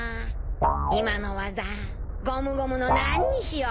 今の技ゴムゴムの何にしよう？